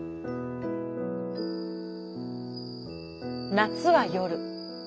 「夏は夜。